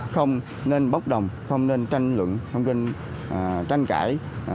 không nên bốc đồng không nên tranh luận không nên tranh cãi